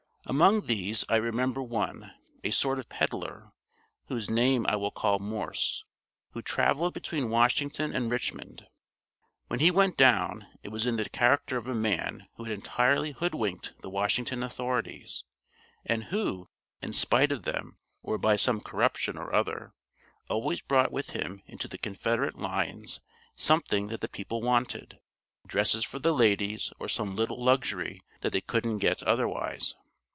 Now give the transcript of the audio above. Among these I remember one, a sort of peddler whose name I will call Morse who traveled between Washington and Richmond. When he went down it was in the character of a man who had entirely hoodwinked the Washington authorities, and who, in spite of them, or by some corruption or other, always brought with him into the Confederate lines something that the people wanted dresses for the ladies or some little luxury that they couldn't get otherwise.